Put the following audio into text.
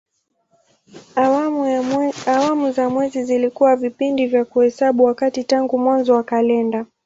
Awamu za mwezi zilikuwa vipindi vya kuhesabu wakati tangu mwanzo wa kalenda.